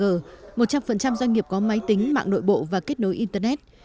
một trăm linh doanh nghiệp có máy tính mạng nội bộ và kết nối internet